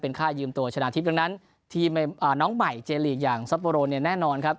ค่ายืมตัวชนะทิพย์ดังนั้นทีมน้องใหม่เจลีกอย่างซัปโบโรเนี่ยแน่นอนครับ